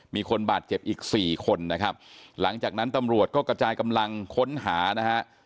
มีคนบาดเจ็บอีกสี่คนนะครับหลังจากนั้นตำรวจก็กระจายกำลังค้นหานะฮะ